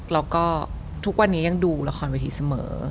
แล้วก็ทุกวันนี้ยังดูละครเวทีเสมอ